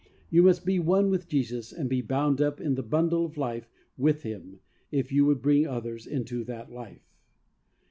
You must be one with Jesus, and be "bound up in the bundle of life" with Him if you would bring others into that life.